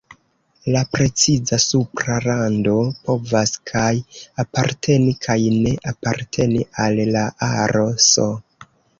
La preciza supra rando povas kaj aparteni kaj ne aparteni al la aro "S".